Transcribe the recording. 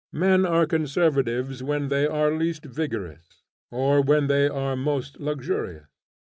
Men are conservatives when they are least vigorous, or when they are most luxurious.